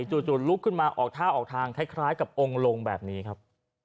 ลุกขึ้นมาออกท่าออกทางคล้ายกับองค์ลงแบบนี้ครับ